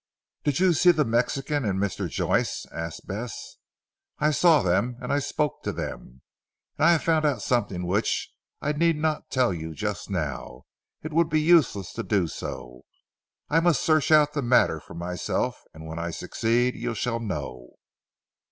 "Did you see the Mexican and Mr. Joyce?" asked Bess. "I saw them and I spoke to them, and I have found out something which I need not tell you just now. It would be useless to do so. I must search out the matter for myself, and when I succeed you shall know."